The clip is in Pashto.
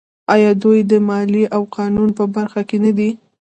آیا دوی د مالیې او قانون په برخه کې نه دي؟